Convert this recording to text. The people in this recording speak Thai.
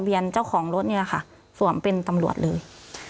เจ้าของรถนี่แหละค่ะสวมเป็นตำรวจเลย